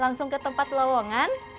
langsung kepada tempat lowongan